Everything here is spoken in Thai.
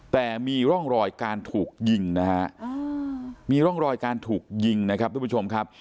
แต่มีร่องรอยการถูกยิงนะฮะมีร่องรอยการถูกยิงนะครับทุกผู้ชมครับ